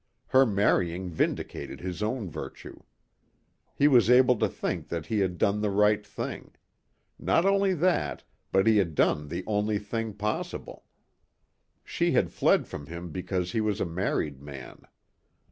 Her marrying vindicated his own virtue. He was able to think that he had done the right thing. Not only that, but he had done the only thing possible. She had fled from him because he was a married man.